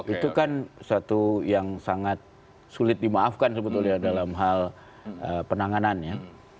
itu kan satu yang sangat sulit dimaafkan sebetulnya dalam hal penanganannya